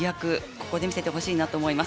ここで見せてほしいと思います。